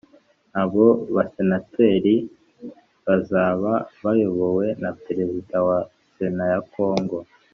Abo basenateri bazaba bayobowe na Perezida wa Sena ya Congo